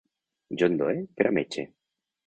John Doe per a metge.